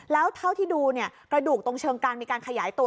แล้วเท่าที่ดูกระดูกตรงเชิงกลางมีการขยายตัว